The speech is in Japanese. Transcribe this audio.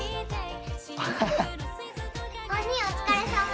お兄お疲れさま。